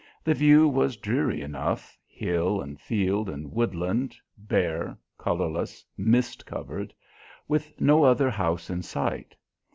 The view was dreary enough hill and field and woodland, bare, colourless, mist covered with no other house in sight.